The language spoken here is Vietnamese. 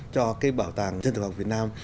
cho cái bảo tàng dân tộc học việt nam